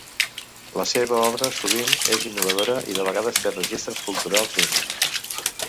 La seva obra sovint és innovadora i de vegades té registres culturals únics.